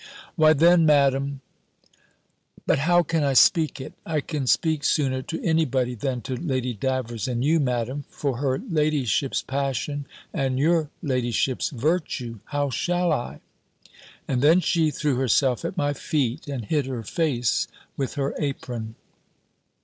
"Why then, Madam But how can I speak it? I can speak sooner to any body, than to Lady Davers and you, Madam: for her ladyship's passion, and your ladyship's virtue How shall I?" And then she threw herself at my feet, and hid her face with her apron.